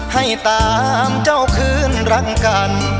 ให้ตามเจ้าคืนรักกัน